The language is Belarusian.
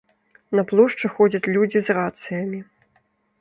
На плошчы ходзяць людзі з рацыямі.